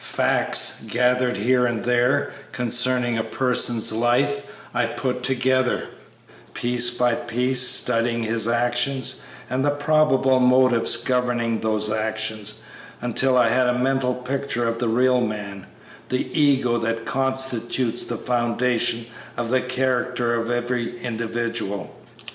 Facts gathered here and there concerning a person's life I put together, piece by piece, studying his actions and the probable motives governing those actions, until I had a mental picture of the real man, the 'ego' that constitutes the foundation of the character of every individual.